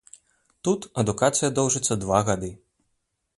Тут адукацыя доўжыцца два гады.